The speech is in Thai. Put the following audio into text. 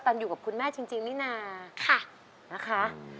แล้วน้องใบบัวร้องได้หรือว่าร้องผิดครับ